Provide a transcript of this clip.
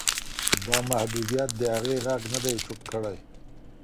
دا محدودیت د هغې غږ نه دی چوپ کړی.